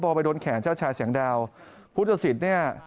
บอลไปโดนแขนชาชายแสงดาวพุทธศิษย์เนี่ย